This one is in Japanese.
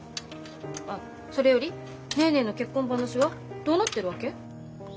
あっそれよりネーネーの結婚話はどうなってるわけ？